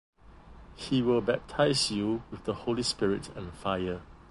He will baptize you with the Holy Spirit and fire.